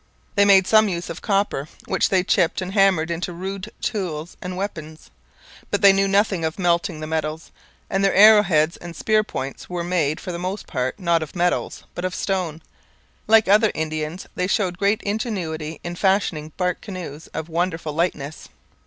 They made some use of copper, which they chipped and hammered into rude tools and weapons. But they knew nothing of melting the metals, and their arrow heads and spear points were made, for the most part, not of metals, but of stone. Like other Indians, they showed great ingenuity in fashioning bark canoes of wonderful lightness.